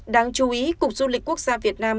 đáng chú ý cục du lịch quốc gia việt nam